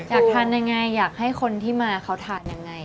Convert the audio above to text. อยากทานยังไงอยากให้คนที่มาเขาทานยังไง